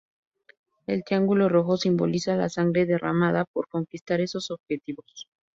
El triángulo rojo simboliza la sangre derramada por conquistar esos objetivos.